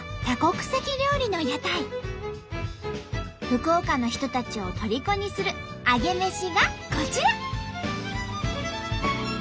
福岡の人たちをとりこにするアゲメシがこちら。